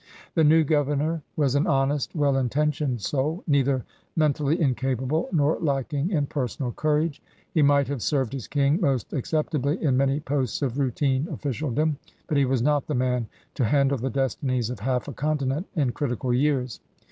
The new governor was an honest, well intentioned soul, neither men tally incapable nor lacking in personal courage. He might have served his Sang most acceptably in many posts of routine ofBcialdom, but he was not the man to handle the destinies of half a continent in critical years.